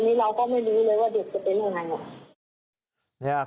อันนี้เราก็ไม่รู้เลยว่าเด็กจะเป็นยังไง